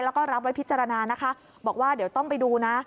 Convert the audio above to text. แล้วก็รับไว้พิจารณานะคะบอกว่าเดี๋ยวต้องไปดูนะ